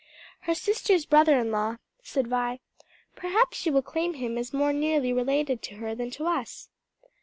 "Her sister's brother in law," said Vi. "Perhaps she will claim him as more nearly related to her than to us."